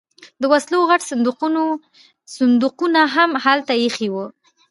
د وسلو غټ صندوقونه هم هلته ایښي وو